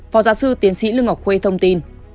phó giáo sư tiến sĩ lương ngọc khuê thông tin